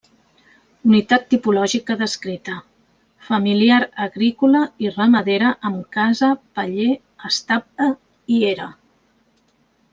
Unitat tipològica descrita; familiar agrícola i ramadera amb casa, paller, estable i era.